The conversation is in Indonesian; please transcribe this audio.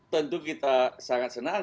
tentu kita sangat senang